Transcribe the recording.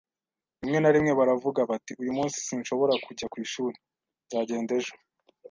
Rimwe na rimwe baravuga bati: "Uyu munsi sinshobora kujya ku ishuri. Nzagenda ejo."